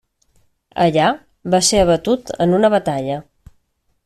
Allà, va ser abatut en una batalla.